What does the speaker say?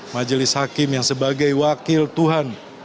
majelis hakim yang sebagai wakil tuhan